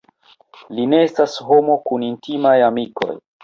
Li ne estas homo kun intimaj amikoj.